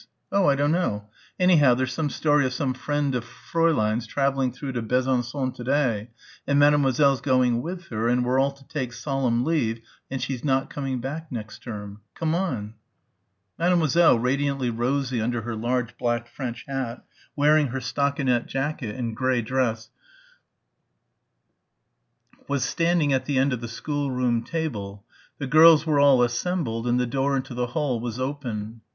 "Oh, I dunno. Anyhow there's some story of some friend of Fräulein's travelling through to Besançon to day and Mademoiselle's going with her and we're all to take solemn leave and she's not coming back next term. Come on." Mademoiselle, radiantly rosy under her large black French hat, wearing her stockinette jacket and grey dress, was standing at the end of the schoolroom table the girls were all assembled and the door into the hall was open.